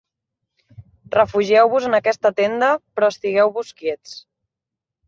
Refugieu-vos en aquesta tenda, però estigueu-vos quiets.